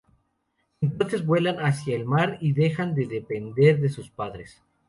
Entonces vuelan hacia el mar y dejan de depender de sus padres.